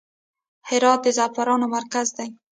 هرات د زعفرانو مرکز دی